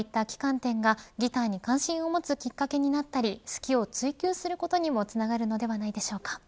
こういった旗艦店がギターに関心を持つきっかけになったり好きを追及することにもつながるのではないでしょうか。